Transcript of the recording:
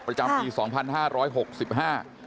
ประจำปีสองพันห้าร้อยหกสิบห้า